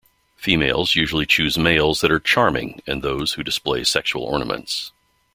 Females usually choose males that are 'charming' and those who display sexual ornaments.